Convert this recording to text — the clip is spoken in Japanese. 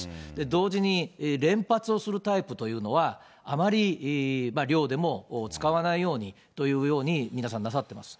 同時に、連発をするタイプというのは、あまり猟でも使わないようにというように、皆さんなさっています。